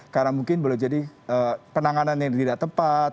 karena mungkin boleh jadi penanganan yang tidak tepat